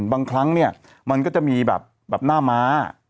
บางครั้งเนี่ยมันก็จะมีแบบหน้าม้า